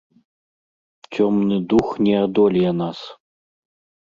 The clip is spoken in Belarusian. Цёмны дух не адолее нас.